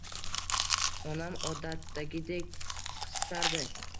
Onam odatdagidek qistardi